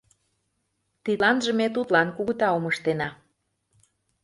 Тидланже ме тудлан кугу таум ыштена.